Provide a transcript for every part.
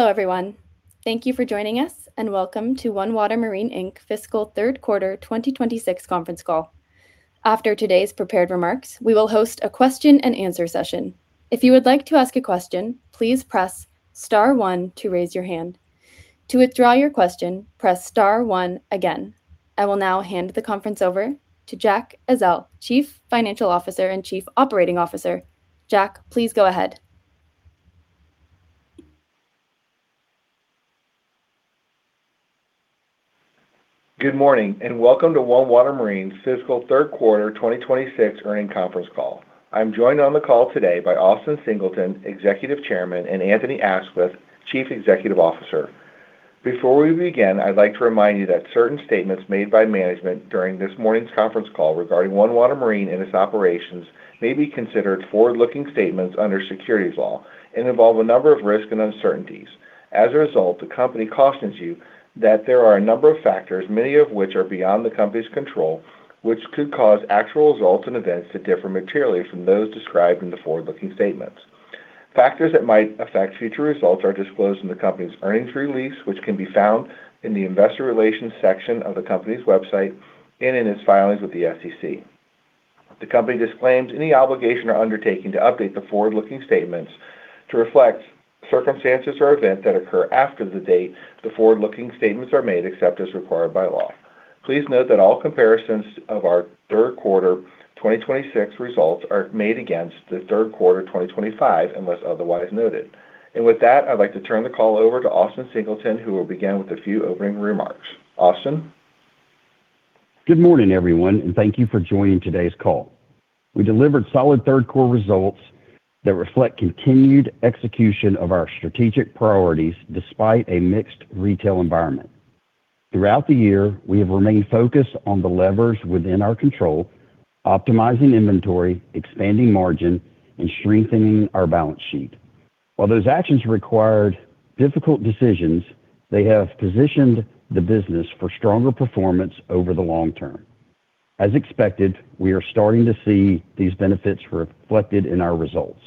Hello, everyone. Thank you for joining us, and welcome to OneWater Marine Inc. Fiscal Third Quarter 2026 conference call. After today's prepared remarks, we will host a question and answer session. If you would like to ask a question, please press star one to raise your hand. To withdraw your question, press star one again. I will now hand the conference over to Jack Ezzell, Chief Financial Officer and Chief Operating Officer. Jack, please go ahead. Good morning. Welcome to OneWater Marine's Fiscal Third Quarter 2026 Earnings Conference Call. I'm joined on the call today by Austin Singleton, Executive Chairman, and Anthony Aisquith, Chief Executive Officer. Before we begin, I'd like to remind you that certain statements made by management during this morning's conference call regarding OneWater Marine and its operations may be considered forward-looking statements under securities law and involve a number of risks and uncertainties. As a result, the company cautions you that there are a number of factors, many of which are beyond the company's control, which could cause actual results and events to differ materially from those described in the forward-looking statements. Factors that might affect future results are disclosed in the company's earnings release, which can be found in the investor relations section of the company's website and in its filings with the SEC. The company disclaims any obligation or undertaking to update the forward-looking statements to reflect circumstances or events that occur after the date the forward-looking statements are made, except as required by law. Please note that all comparisons of our third quarter 2026 results are made against the third quarter 2025, unless otherwise noted. With that, I'd like to turn the call over to Austin Singleton, who will begin with a few opening remarks. Austin? Good morning, everyone. Thank you for joining today's call. We delivered solid third quarter results that reflect continued execution of our strategic priorities, despite a mixed retail environment. Throughout the year, we have remained focused on the levers within our control, optimizing inventory, expanding margin, and strengthening our balance sheet. While those actions required difficult decisions, they have positioned the business for stronger performance over the long term. As expected, we are starting to see these benefits reflected in our results.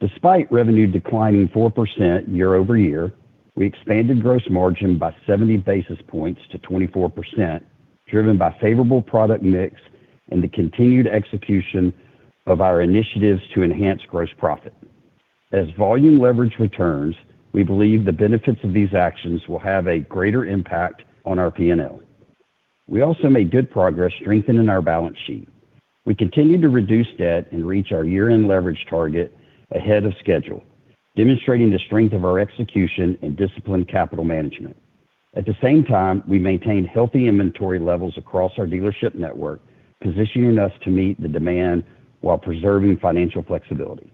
Despite revenue declining 4% year-over-year, we expanded gross margin by 70 basis points to 24%, driven by favorable product mix and the continued execution of our initiatives to enhance gross profit. As volume leverage returns, we believe the benefits of these actions will have a greater impact on our P&L. We also made good progress strengthening our balance sheet. We continued to reduce debt and reach our year-end leverage target ahead of schedule, demonstrating the strength of our execution and disciplined capital management. At the same time, we maintained healthy inventory levels across our dealership network, positioning us to meet the demand while preserving financial flexibility.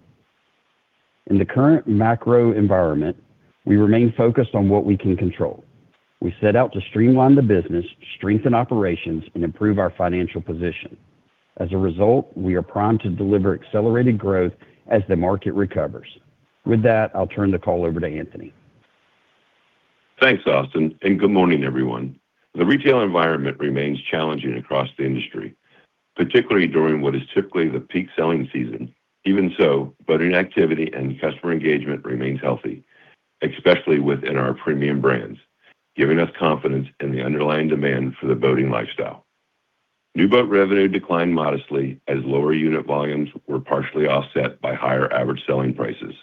In the current macro environment, we remain focused on what we can control. We set out to streamline the business, strengthen operations, and improve our financial position. As a result, we are primed to deliver accelerated growth as the market recovers. With that, I'll turn the call over to Anthony. Thanks, Austin, good morning, everyone. The retail environment remains challenging across the industry, particularly during what is typically the peak selling season. Even so, boating activity and customer engagement remains healthy, especially within our premium brands, giving us confidence in the underlying demand for the boating lifestyle. New boat revenue declined modestly as lower unit volumes were partially offset by higher average selling prices,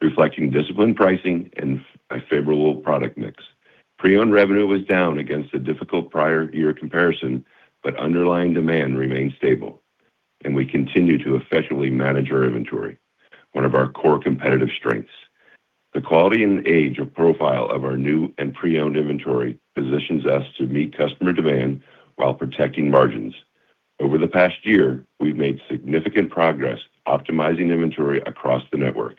reflecting disciplined pricing and a favorable product mix. Pre-owned revenue was down against a difficult prior year comparison, but underlying demand remains stable, and we continue to effectively manage our inventory, one of our core competitive strengths. The quality and age of profile of our new and pre-owned inventory positions us to meet customer demand while protecting margins. Over the past year, we've made significant progress optimizing inventory across the network.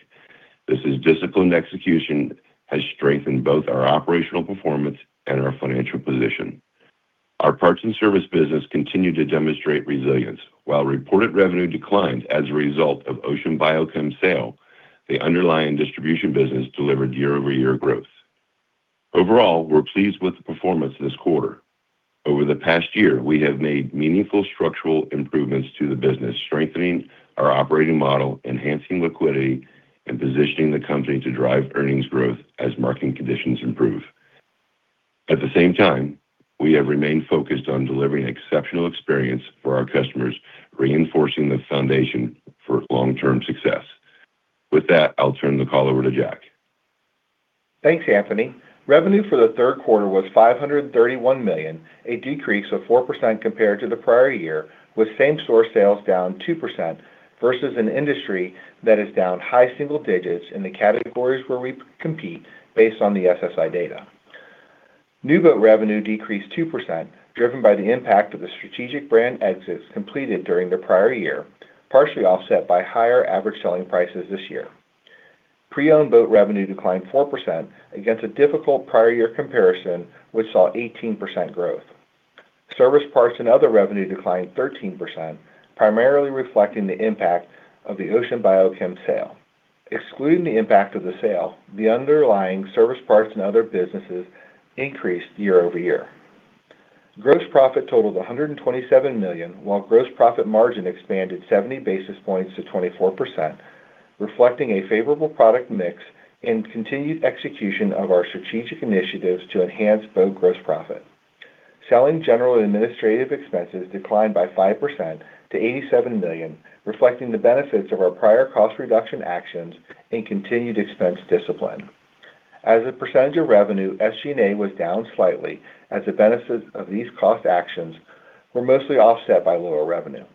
This disciplined execution has strengthened both our operational performance and our financial position. Our parts and service business continued to demonstrate resilience. While reported revenue declined as a result of Ocean Bio-Chem sale, the underlying distribution business delivered year-over-year growth. Overall, we're pleased with the performance this quarter. Over the past year, we have made meaningful structural improvements to the business, strengthening our operating model, enhancing liquidity, and positioning the company to drive earnings growth as market conditions improve. At the same time, we have remained focused on delivering exceptional experience for our customers, reinforcing the foundation for long-term success. With that, I'll turn the call over to Jack. Thanks, Anthony. Revenue for the third quarter was $531 million, a decrease of 4% compared to the prior year, with same-store sales down 2% versus an industry that is down high single digits in the categories where we compete based on the SSI data. New boat revenue decreased 2%, driven by the impact of the strategic brand exits completed during the prior year, partially offset by higher average selling prices this year. Pre-owned boat revenue declined 4% against a difficult prior year comparison, which saw 18% growth. Service parts and other revenue declined 13%, primarily reflecting the impact of the Ocean Bio-Chem sale. Excluding the impact of the sale, the underlying service parts and other businesses increased year-over-year. Gross profit totaled $127 million, while gross profit margin expanded 70 basis points to 24%, reflecting a favorable product mix and continued execution of our strategic initiatives to enhance boat gross profit. Selling, general, and administrative expenses declined by 5% to $87 million, reflecting the benefits of our prior cost reduction actions and continued expense discipline. As a percentage of revenue, SG&A was down slightly as the benefits of these cost actions were mostly offset by lower revenue.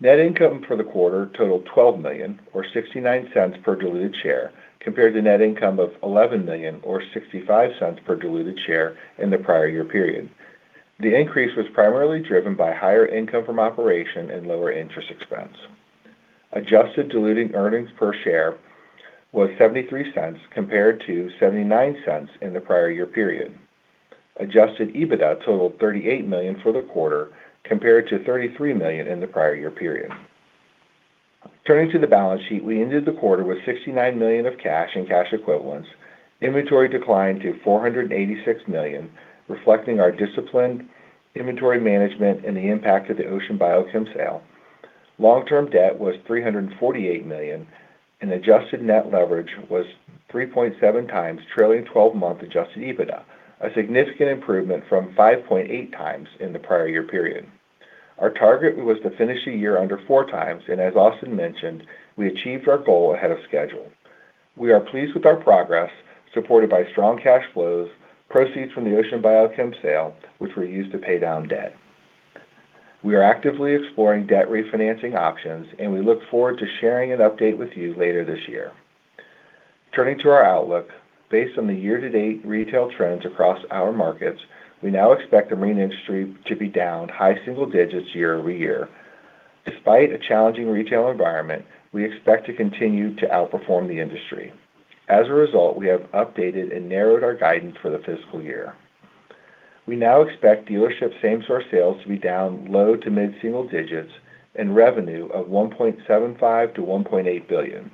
Net income for the quarter totaled $12 million, or $0.69 per diluted share, compared to net income of $11 million or $0.65 per diluted share in the prior year period. The increase was primarily driven by higher income from operation and lower interest expense. Adjusted diluted earnings per share was $0.73 compared to $0.79 in the prior year period. Adjusted EBITDA totaled $38 million for the quarter, compared to $33 million in the prior year period. Turning to the balance sheet, we ended the quarter with $69 million of cash and cash equivalents. Inventory declined to $486 million, reflecting our disciplined inventory management and the impact of the Ocean Bio-Chem sale. Long-term debt was $348 million, and adjusted net leverage was 3.7x trailing 12-month adjusted EBITDA, a significant improvement from 5.8x in the prior year period. Our target was to finish the year under 4x. As Austin mentioned, we achieved our goal ahead of schedule. We are pleased with our progress, supported by strong cash flows, proceeds from the Ocean Bio-Chem sale, which were used to pay down debt. We are actively exploring debt refinancing options. We look forward to sharing an update with you later this year. Turning to our outlook, based on the year-to-date retail trends across our markets, we now expect the marine industry to be down high single digits year-over-year. Despite a challenging retail environment, we expect to continue to outperform the industry. As a result, we have updated and narrowed our guidance for the fiscal year. We now expect dealership same-store sales to be down low to mid-single digits. Revenue of $1.75 billion-$1.8 billion,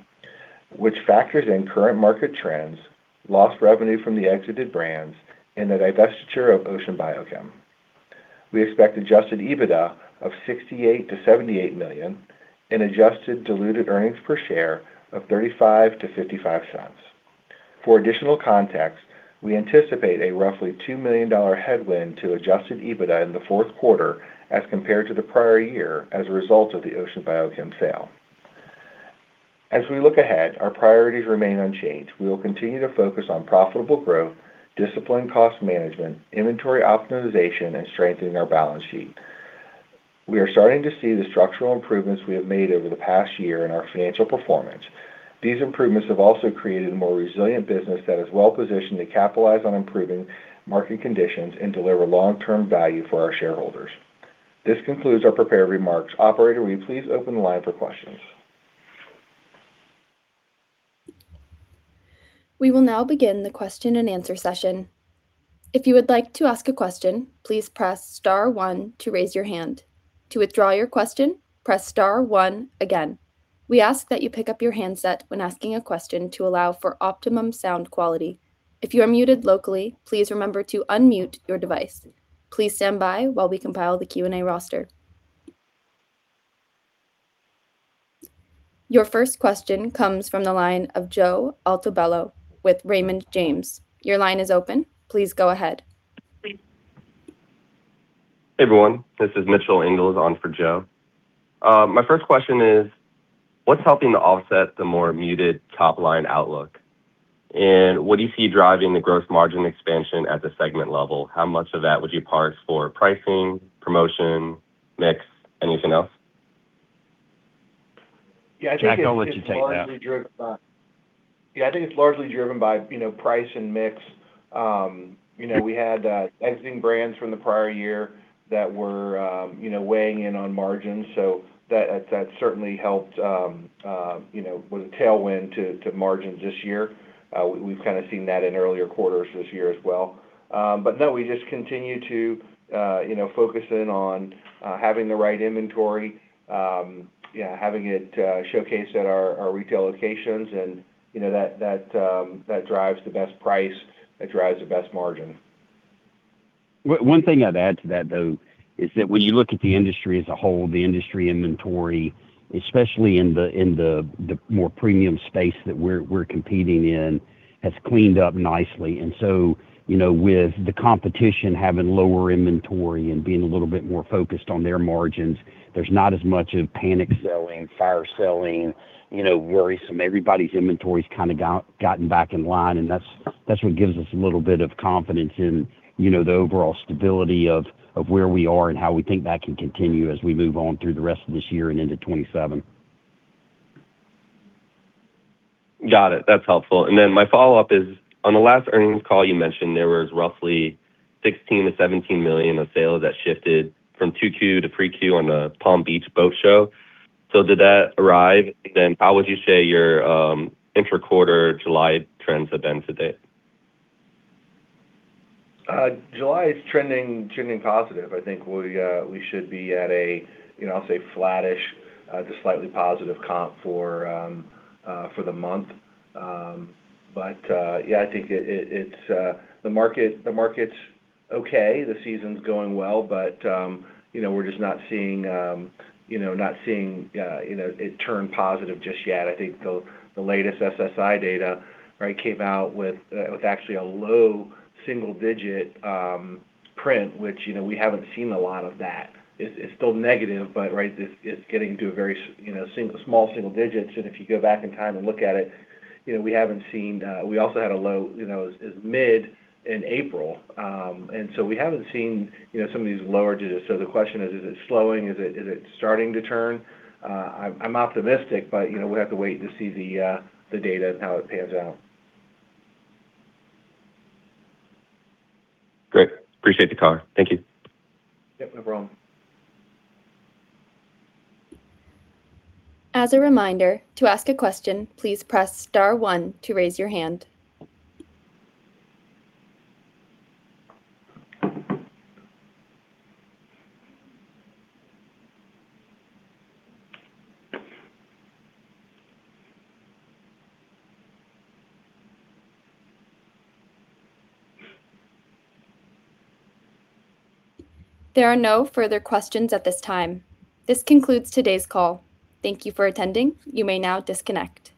which factors in current market trends, lost revenue from the exited brands, and the divestiture of Ocean Bio-Chem. We expect adjusted EBITDA of $68 million-$78 million. Adjusted diluted earnings per share of $0.35-$0.55. For additional context, we anticipate a roughly $2 million headwind to adjusted EBITDA in the fourth quarter as compared to the prior year as a result of the Ocean Bio-Chem sale. As we look ahead, our priorities remain unchanged. We will continue to focus on profitable growth, disciplined cost management, inventory optimization, and strengthening our balance sheet. We are starting to see the structural improvements we have made over the past year in our financial performance. These improvements have also created a more resilient business that is well-positioned to capitalize on improving market conditions and deliver long-term value for our shareholders. This concludes our prepared remarks. Operator, will you please open the line for questions? We will now begin the question and answer session. If you would like to ask a question, please press star one to raise your hand. To withdraw your question, press star one again. We ask that you pick up your handset when asking a question to allow for optimum sound quality. If you are muted locally, please remember to unmute your device. Please stand by while we compile the Q&A roster. Your first question comes from the line of Joe Altobello with Raymond James. Your line is open. Please go ahead. Hey, everyone. This is Mitchell Ingles on for Joe. My first question is, what's helping to offset the more muted top-line outlook, and what do you see driving the gross margin expansion at the segment level? How much of that would you parse for pricing, promotion, mix, anything else? Jack, I'll let you take that. Yeah, I think it's largely driven by price and mix. We had exiting brands from the prior year that were weighing in on margins, That certainly helped with a tailwind to margins this year. We've kind of seen that in earlier quarters this year as well. No, we just continue to focus in on having the right inventory, having it showcased at our retail locations, and that drives the best price, that drives the best margin. One thing I'd add to that, though, is that when you look at the industry as a whole, the industry inventory, especially in the more premium space that we're competing in, has cleaned up nicely. With the competition having lower inventory and being a little bit more focused on their margins, there's not as much of panic selling, fire selling, worrisome. Everybody's inventory's kind of gotten back in line, and that's what gives us a little bit of confidence in the overall stability of where we are and how we think that can continue as we move on through the rest of this year and into 2027. Got it. That's helpful. My follow-up is, on the last earnings call you mentioned there was roughly $16 million-$17 million of sales that shifted from 2Q to 3Q on the Palm Beach Boat Show. Did that arrive? How would you say your intra-quarter July trends have been to date? July is trending positive. I think we should be at a, I'll say, flattish to slightly positive comp for the month. Yeah, I think the market's okay. The season's going well, but we're just not seeing it turn positive just yet. I think the latest SSI data came out with actually a low single-digit print, which we haven't seen a lot of that. It's still negative, but it's getting to a very small single digits. If you go back in time and look at it, we also had a low as mid in April. We haven't seen some of these lower digits. The question is: Is it slowing? Is it starting to turn? I'm optimistic, but we have to wait to see the data and how it pans out. Great. Appreciate the color. Thank you. Yep, no problem. As a reminder, to ask a question, please press star one to raise your hand. There are no further questions at this time. This concludes today's call. Thank you for attending. You may now disconnect.